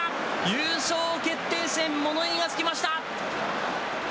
優勝決定戦物言いがつきました！